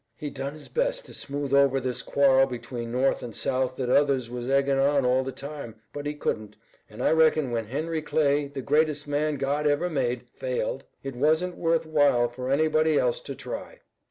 He done his best to smooth over this quarrel between North and South that others was eggin' on all the time, but he couldn't, and I reckon when Henry Clay, the greatest man God ever made, failed, it wasn't worth while for anybody else to try.